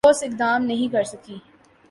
ٹھوس اقدام نہیں کرسکی